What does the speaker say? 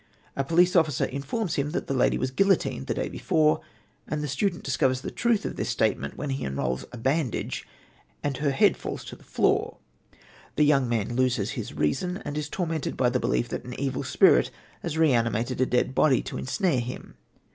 A police officer informs him that the lady was guillotined the day before, and the student discovers the truth of this statement when he unrolls a bandage and her head falls to the floor. The young man loses his reason, and is tormented by the belief that an evil spirit has reanimated a dead body to ensnare him.